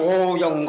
oh ya enggak